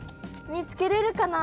見つけれるかな。